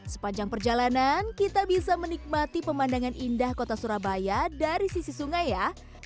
sepanjang perjalanan kita bisa menikmati pemandangan indah kota surabaya dari sisi sungai ya